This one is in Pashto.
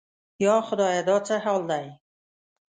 یا خدایه دا څه حال دی؟